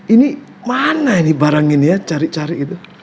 ini mana ini barang ini ya cari cari gitu